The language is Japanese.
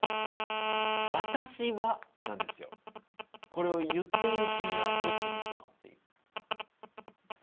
なのでこれを言っている君はどっちに行くのっていう。